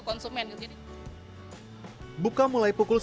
sebelumnya pembukaan lobster ini dikumpulkan dengan perusahaan yang berkualitas